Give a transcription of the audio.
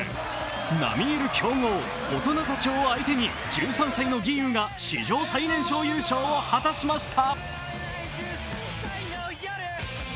並みいる強豪、大人たちを相手に１３歳の吟雲が史上最年少優勝を果たしました。